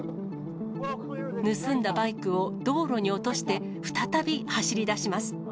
盗んだバイクを道路に落として、再び走りだします。